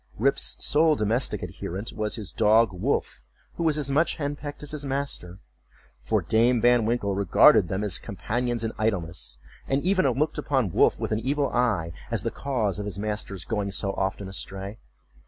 Rip's sole domestic adherent was his dog Wolf, who was as much hen pecked as his master; for Dame Van Winkle regarded them as companions in idleness, and even looked upon Wolf with an evil eye, as the cause of his master's going so often astray.